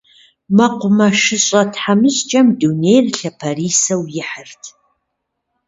МэкъумэшыщӀэ тхьэмыщкӀэм дунейр лъапэрисэу ихьырт.